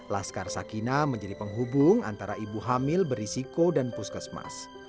laskar sakina menjadi penghubung antara ibu hamil berisiko dan puskesmas